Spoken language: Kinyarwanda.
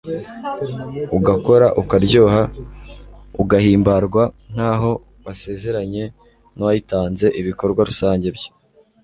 ugakora ukaryoha ugahimbarwa nk'aho wasezeranye n'uwayitanze !!! ibikorwa rusange byo